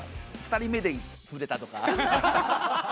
２人目でつぶれたとか。